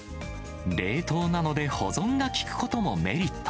冷凍なので保存が利くこともメリット。